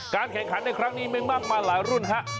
การแข่งขันในครั้งนี้มีมากมาหลายรุ่นครับ